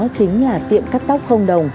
chính là tiệm cắt tóc không đồng